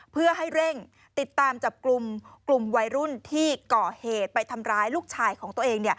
เพื่อให้เร่งติดตามจับกลุ่มกลุ่มวัยรุ่นที่ก่อเหตุไปทำร้ายลูกชายของตัวเอง